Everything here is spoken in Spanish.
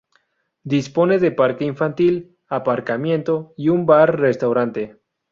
Dispone de parque infantil, aparcamiento y un bar-restaurante.